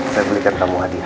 saya belikan kamu hadiah